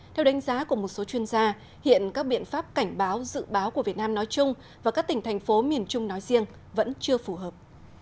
theo đánh giá của một số chuyên gia hiện các biện pháp cảnh báo dự báo của việt nam nói chung và các tỉnh thành phố miền trung nói riêng vẫn chưa phù hợp